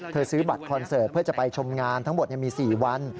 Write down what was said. ซื้อบัตรคอนเสิร์ตเพื่อจะไปชมงานทั้งหมดมี๔วัน